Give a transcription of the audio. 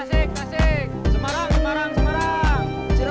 dia terus bikin arm baru sinis bo tiro